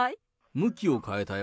向きを変えたよ。